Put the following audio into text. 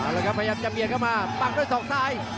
แล้วครับพยายามจะเบียดเข้ามาปักด้วยศอกซ้าย